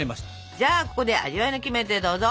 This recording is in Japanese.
じゃあここで味わいのキメテどうぞ！